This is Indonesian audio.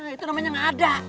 itu namanya gak ada